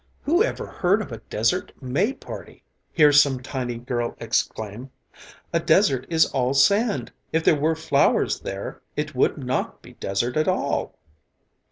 Who ever heard of a desert May party?" I hear some tiny girl exclaim, "A desert is all sand, if there were flowers there it would not be desert at all."